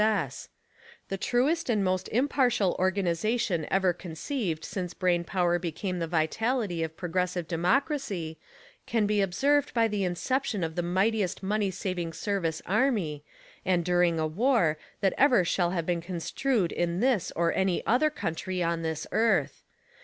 S. S. The truest and most impartial organization ever conceived since brain power became the vitality of progressive democracy can be observed by the incep tion of the mightiest money saving service army, and during a war, that ever shall have been construed in this or any other country on this earth.